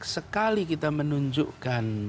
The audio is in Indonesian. sekali kita menunjukkan